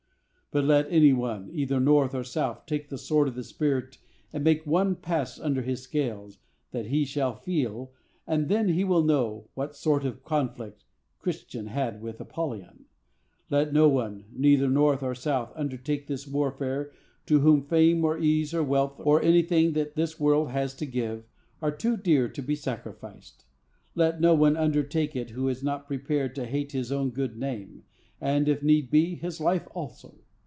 But let any one, either North or South, take the sword of the Spirit and make one pass under his scales that he shall feel, and then he will know what sort of a conflict Christian had with Apollyon. Let no one, either North or South, undertake this warfare, to whom fame, or ease, or wealth, or anything that this world has to give, are too dear to be sacrificed. Let no one undertake it who is not prepared to hate his own good name, and, if need be, his life also.